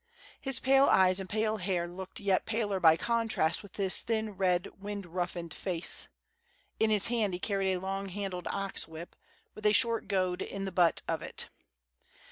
His pale eyes and pale hair looked yet paler by contrast with his thin, red, wind roughened face. In his hand he carried a long handled ox whip, with a short goad in the butt of it.